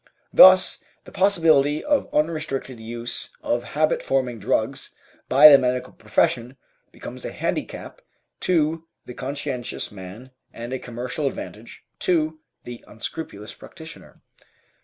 Thus the possibility of unrestricted use of habit forming drugs by the medical profession becomes a handicap to the conscientious man and a commercial advantage to the unscrupulous practitioner.